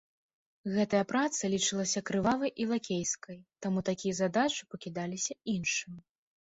Гэтая праца лічылася крывавай і лакейскай, таму такія задачы пакідаліся іншым.